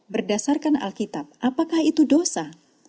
berdasarkan alkitab apakah itu dosa